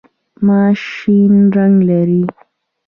ماش شین رنګ لري.